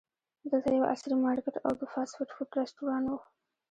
دلته یو عصري مارکیټ او د فاسټ فوډ رسټورانټ و.